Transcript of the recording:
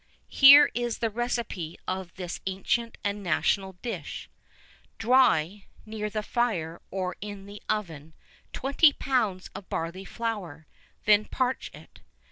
Here is the recipe of this ancient and national dish: Dry, near the fire or in the oven, twenty pounds of barley flour, then parch it.